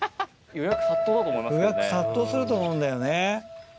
予約殺到すると思うんだよね。